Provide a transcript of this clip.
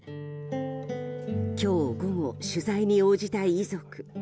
今日午後、取材に応じた遺族。